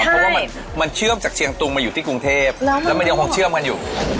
เพราะว่ามันเชื่อมจากเชียงตุงมาอยู่ที่กรุงเทพแล้วมันยังคงเชื่อมกันอยู่